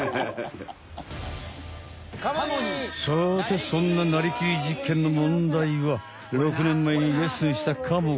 さてそんななりきりじっけんの問題は６ねんまえにレッスンした「カモ」から！